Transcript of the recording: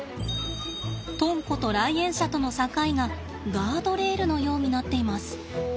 とんこと来園者との境がガードレールのようになっています。